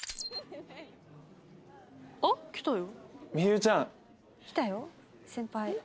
あっ来たよ。